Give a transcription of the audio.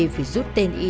phải rút tên y